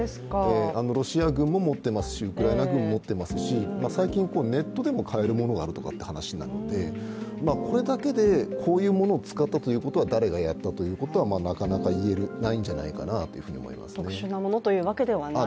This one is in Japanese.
ロシア軍も持っていますし、ウクライナ軍も持っていますし、最近ネットでも買えるものがあるという話なので、これだけでこういうものを使ったから誰がやったということはなかなか言えないんじゃないかなと思いますね。